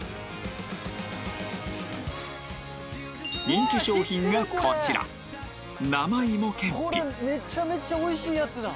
人気商品がこちらめちゃめちゃおいしいやつだ。